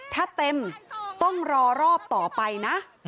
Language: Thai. ถ้าเต็มต้องรอรอบต่อไปนะ